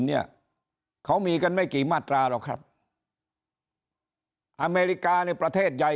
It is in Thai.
เนี่ยเขามีกันไม่กี่มาตราหรอกครับอเมริกาในประเทศใหญ่